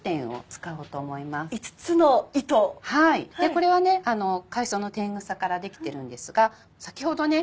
これはね海藻のテングサから出来てるんですが先ほどね